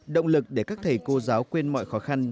động lực để các thầy cô giáo quên mọi khó khăn